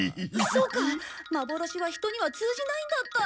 そうか幻は人には通じないんだった。